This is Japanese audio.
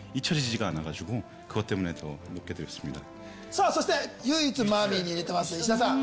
さぁそして唯一マミィに入れてます石田さん。